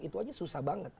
itu saja susah banget